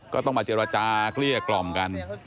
ก็ต้องมาเจรจาเกลี้ยกล่อมกัน